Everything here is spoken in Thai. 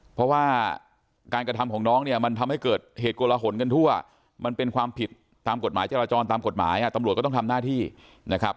เพราะว่าการกระทำของน้องเนี่ยมันทำให้เกิดเหตุกลหนกันทั่วมันเป็นความผิดตามกฎหมายจราจรตามกฎหมายตำรวจก็ต้องทำหน้าที่นะครับ